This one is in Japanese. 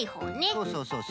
そうそうそうそう。